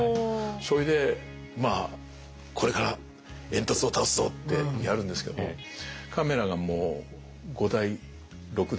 それでまあこれから煙突を倒すぞってやるんですけどもカメラがもう５台６台あって。